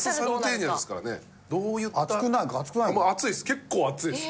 結構熱いです。